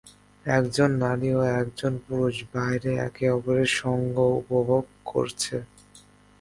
একজন নারী ও একজন পুরুষ বাইরে একে অপরের সঙ্গ উপভোগ করছে।